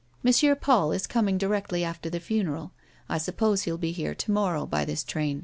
Paul is coming directly after the funeral. I sup pose he'll be here to morrow, by this train."